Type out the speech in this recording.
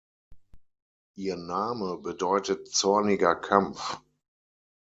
Ihr Name bedeutet "zorniger Kampf".